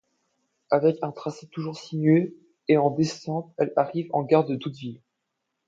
Avec un tracé toujours sinueux et en descente, elle arrive en gare de Doudeville.